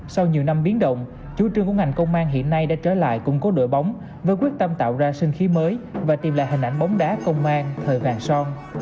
sau nhiều năm biến động chủ trương của ngành công an hiện nay đã trở lại củng cố đội bóng với quyết tâm tạo ra sinh khí mới và tìm lại hình ảnh bóng đá công an thời vàng son